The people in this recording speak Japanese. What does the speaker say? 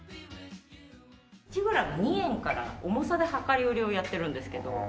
１グラム２円から重さで量り売りをやってるんですけど。